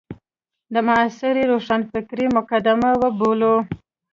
د معاصرې روښانفکرۍ مقدمه وبولو.